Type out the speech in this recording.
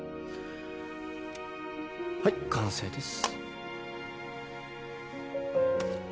はい完成です。